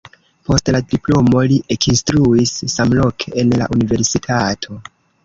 Post la diplomo li ekinstruis samloke en la universitato.